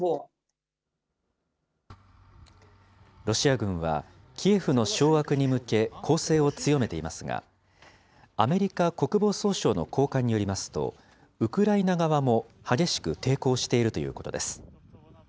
ロシア軍はキエフの掌握に向け、攻勢を強めていますが、アメリカ国防総省の高官によりますと、ウクライナ側も激しく抵抗しているということです。